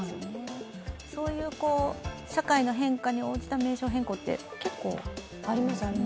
そういう社会の変化に応じた名称変更って結構ありますよね。